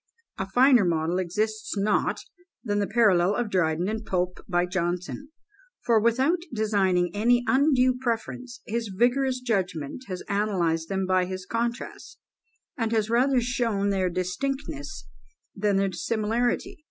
A finer model exists not than the parallel of Dryden and Pope, by Johnson; for, without designing any undue preference, his vigorous judgment has analysed them by his contrasts, and has rather shown their distinctness than their similarity.